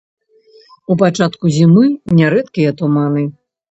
У пачатку зімы нярэдкія туманы.